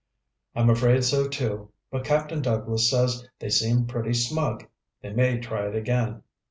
"I'm afraid so, too. But Captain Douglas says they seemed pretty smug. They may try it again.